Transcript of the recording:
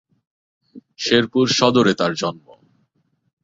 শেরপুর সদরে তার জন্ম।